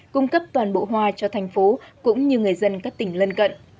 cung cấp toàn bộ hoa cho thành phố cũng như người dân các tỉnh lân cận